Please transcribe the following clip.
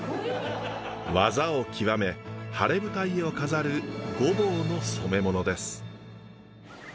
技を極め晴れ舞台を飾る御坊の染め物です。